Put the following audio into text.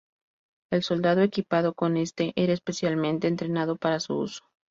El soldado equipado con este, era especialmente entrenado para su uso.